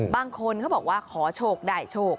บางคนเขาบอกว่าขอโชคได้โชค